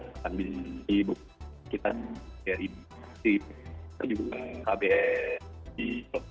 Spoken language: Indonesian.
dan dikaitkan dengan kbri